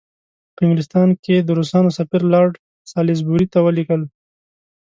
په انګلستان کې د روسانو سفیر لارډ سالیزبوري ته ولیکل.